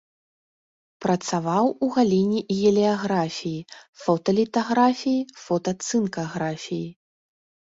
Працаваў у галіне геліяграфіі, фоталітаграфіі, фотацынкаграфіі.